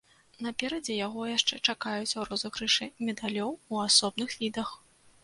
Наперадзе яго яшчэ чакаюць розыгрышы медалёў у асобных відах.